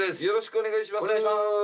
よろしくお願いします。